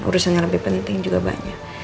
urusannya lebih penting juga banyak